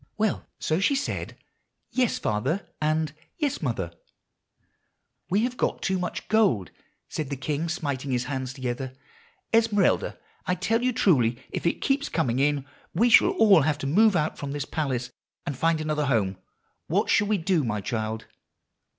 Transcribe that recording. Well, so she said, 'Yes, father,' and 'Yes, mother.' "'We have too much gold,' said the king, smiting his hands together. 'Esmeralda, I tell you truly, if it keeps coming in we shall all have to move out from this palace, and find another home. What shall we do, my child?